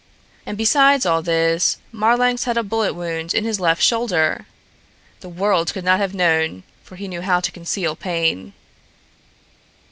And besides all this, Marlanx had a bullet wound in his left shoulder! The world could not have known, for he knew how to conceal pain.